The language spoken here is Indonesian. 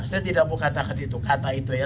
saya tidak mau katakan itu kata itu ya